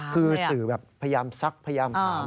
คือสื่อแบบพยายามซักพยายามถาม